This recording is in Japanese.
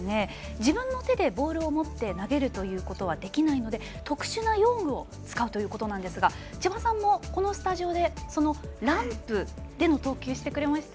自分の手でボールを持って投げることができないので特殊な用具を使うということなんですが千葉さんもこのスタジオでランプでの投球をしてくれました。